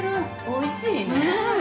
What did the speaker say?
◆おいしいね。